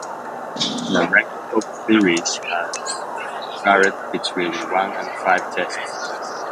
The length of series has varied between one and five Tests.